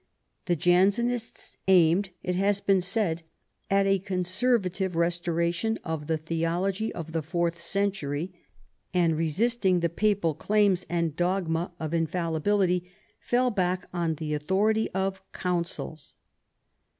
The Jansenists " aimed," it has been said, " at a conservative restoration of the theology of the fourth century, and, resisting the papal claims and dogma of infallibility, fell back on the authority of councils."